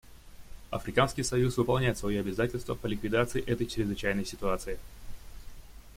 Африканский союз выполняет свое обязательство по ликвидации этой чрезвычайной ситуации.